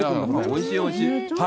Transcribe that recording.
おいしい、おいしい。